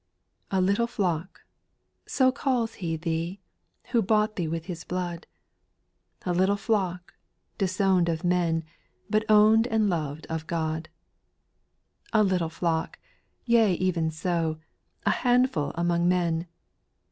A LITTLE flock I so calls He thee, j\. Who bought thee with His blood ; A little flock, disowned of men, But owned and loved of God. 2. A little flock I yea even so, A handful among men.